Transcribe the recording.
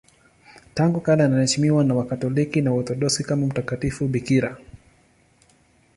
Tangu kale anaheshimiwa na Wakatoliki na Waorthodoksi kama mtakatifu bikira.